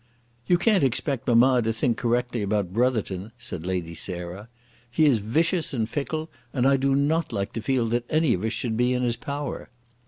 "You can't expect mamma to think correctly about Brotherton," said Lady Sarah. "He is vicious and fickle, and I do not like to feel that any of us should be in his power."